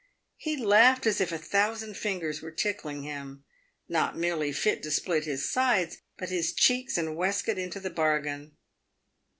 He laughed as if a thousand fingers were tickling him — not merely fit to split his sides, but his cheeks and waistcoat into the bargain.